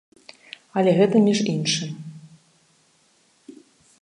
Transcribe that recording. Але гэта між іншым.